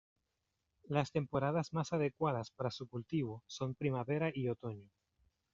Las temporadas más adecuadas para su cultivo son primavera y otoño.